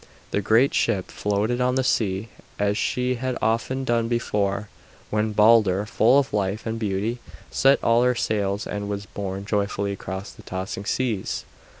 The great ship floated on the sea as she had often done before, when Balder, full of life and beauty, set all her sails and was borne joyfully across the tossing seas.